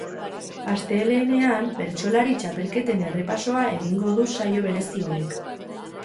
Astelehenean bertsolari txapelketen errepasoa egingo du saio berezi honek.